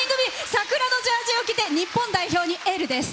桜のジャージを着て日本代表にエールです。